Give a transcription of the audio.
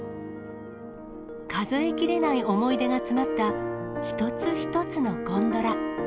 数えきれない思い出が詰まった、一つ一つのゴンドラ。